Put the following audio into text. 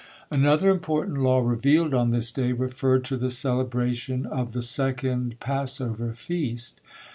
Another important law revealed on this day referred to the celebration of "the second Passover feast."